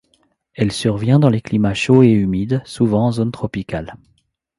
Elle survient dans les climats chauds et humides, souvent en zone tropicale.